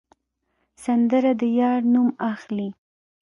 سندره د یار نوم اخلي